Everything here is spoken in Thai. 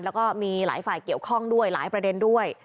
แล้วก็มีหลายฝ่ายเกี่ยวข้องด้วยหลายประเด็นด้วย